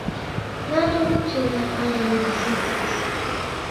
Datu gutxi da haren bizitzaz.